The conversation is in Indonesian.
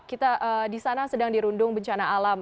kita di sana sedang dirundung bencana alam